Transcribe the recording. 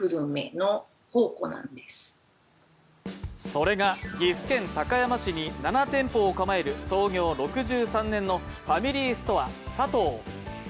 それが岐阜県高山市に７店舗を構える創業６３年のファミリーストアさとう。